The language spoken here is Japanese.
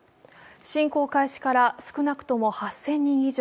侵攻開始から少なくとも８０００人以上。